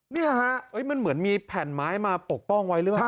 เนี่ยฮะมันเหมือนมีแผ่นไม้มาปกป้องไว้หรือเปล่า